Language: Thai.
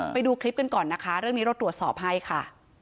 ไปดูคลิปกันก่อนนะคะเรื่องนี้เราตรวจสอบให้ค่ะ